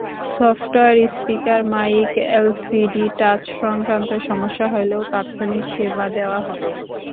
Software, speaker, mic, LCD touch সংক্রান্ত সমস্যা হলেও তাৎক্ষণিক সেবা দেওয়া হবে।